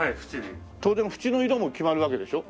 それで縁の色も決まるわけでしょ？